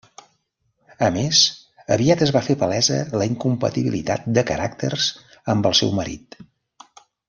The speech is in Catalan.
A més, aviat es va fer palesa la incompatibilitat de caràcters amb el seu marit.